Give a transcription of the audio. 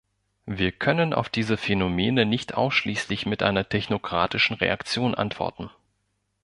Wir können auf diese Phänomene nicht ausschließlich mit einer technokratischen Reaktion antworten.